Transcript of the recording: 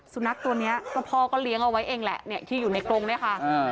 สูนักตัวเนี่ยพ่อก็เลี้ยงเอาไว้เองแหละที่อยู่ในกรงด้วยค่ะ